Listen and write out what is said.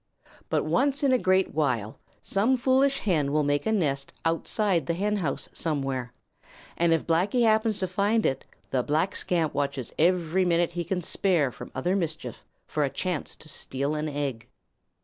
But once in a great while some foolish hen will make a nest outside the henhouse somewhere, and if Blacky happens to find it the black scamp watches every minute he can spare from other mischief for a chance to steal an egg.